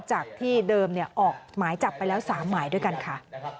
จากที่เดิมออกหมายจับไปแล้ว๓หมายด้วยกันค่ะ